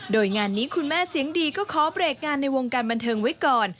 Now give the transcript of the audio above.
โดยงานนี้คุณแม่เสียงดีก็ขอเบรกงานในวงการบันเทิงไว้ก่อน